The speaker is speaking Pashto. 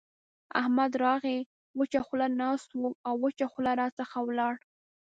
احمد راغی؛ وچه خوله ناست وو او وچه خوله راڅخه ولاړ.